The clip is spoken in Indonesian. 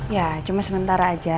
ya cuma sementara aja